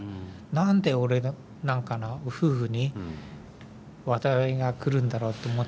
なんで、俺なんかの夫婦に災いがくるんだろうと思って。